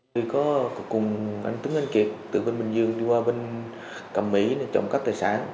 tôi có cùng anh tướng anh kiệt từ bên bình dương đi qua bên cẩm mỹ trộm cắp tài sản